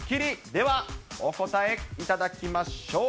では、お答えいただきましょう。